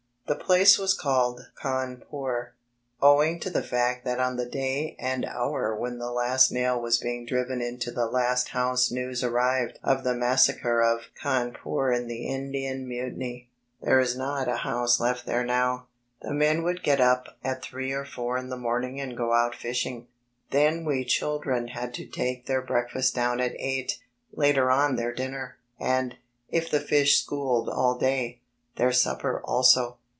The place was called Cawn pore, owing to the fact that on the day and hour when the last nail was being driven into the last house news arrived of the massacre of Cawnpore in the Indian Mutiny. There is not a house left there now. The men would get up at three or four in the morning and go out fishing. Then we children had to take their breakfast down at eight, later on their dinner, and, ff the fish "schooled" all day, their supper also.